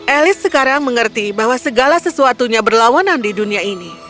elis sekarang mengerti bahwa segala sesuatunya berlawanan di dunia ini